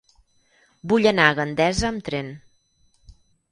Vull anar a Gandesa amb tren.